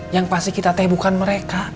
yang pasti kita teh bukan mereka